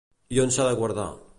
I on s'ha de guardar?